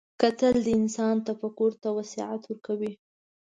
کتل د انسان تفکر ته وسعت ورکوي